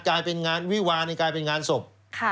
กลายเป็นงานวิวานี่กลายเป็นงานศพ